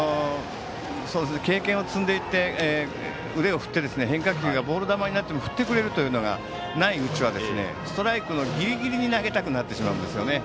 経験を積んでいって腕を振って変化球がボール球になっても振ってくれるというのがないうちはストライクのギリギリに投げたくなってしまうんですね。